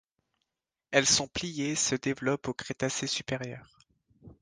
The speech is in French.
Elles sont pliées et se développent au Crétacé supérieur.